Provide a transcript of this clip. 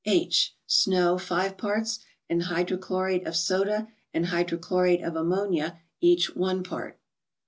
H. —Snow 5 parts, and hydrochlorate of soda and hydrochlorate of ammonia, each one part.